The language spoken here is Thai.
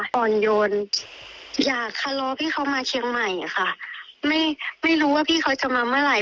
อ่อนโยนอยากทะเลาะพี่เขามาเชียงใหม่อะค่ะไม่ไม่รู้ว่าพี่เขาจะมาเมื่อไหร่